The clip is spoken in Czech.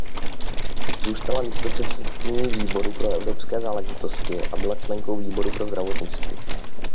Zůstala místopředsedkyní výboru pro evropské záležitosti a byla členkou výboru pro zdravotnictví.